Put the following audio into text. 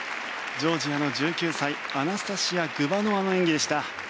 ジョージアの１９歳アナスタシヤ・グバノワの演技でした。